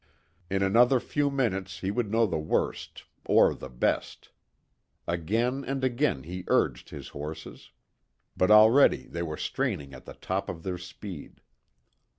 In another few minutes he would know the worst or the best. Again and again he urged his horses. But already they were straining at the top of their speed.